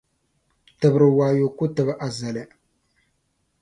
Tibiri waayo ku tibi azali.